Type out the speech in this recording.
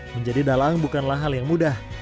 menjadi dalang bukanlah hal yang mudah